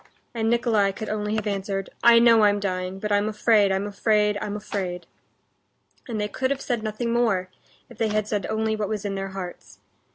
and Nikolay could only have answered, "I know I'm dying, but I'm afraid, I'm afraid, I'm afraid!" And they could have said nothing more, if they had said only what was in their hearts.